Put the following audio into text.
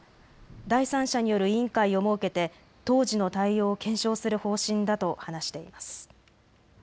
第三者による委員会を設けて当時の対応を検証する方針だと話しています。